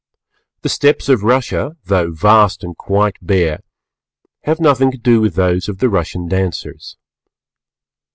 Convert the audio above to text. The Steppes of Russia, though vast and quite bare, have nothing to do with those of the Russian Dancers.